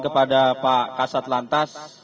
kepada pak kasat lantas